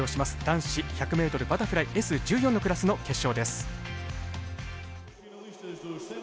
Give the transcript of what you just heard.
男子１００ｍバタフライＳ１４のクラスの決勝です。